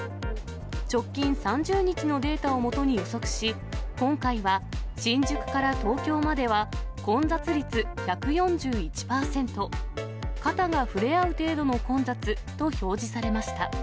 直近３０日のデータをもとに予測し、今回は新宿から東京までは混雑率１４１％、肩が触れ合う程度の混雑と表示されました。